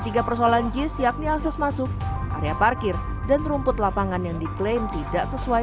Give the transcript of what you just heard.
tiga persoalan jis yakni akses masuk area parkir dan rumput lapangan yang diklaim tidak sesuai